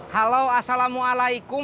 halo assalamualaikum mi